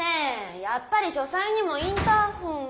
やっぱり書斎にもインターホンを。